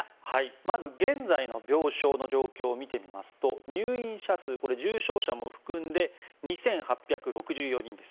まず現在の病床の状況を見てみますと入院者数、重症者も含んで２８６４人です。